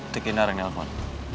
tekin orang telepon